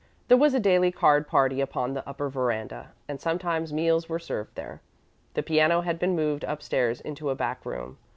There was a daily card party upon the upper veranda, and sometimes meals were served there. The piano had been moved upstairs into a back room.